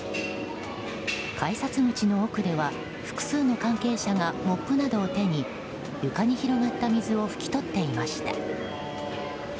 改札口の奥では複数の関係者がモップなどを手に床に広がった水を拭き取っていました。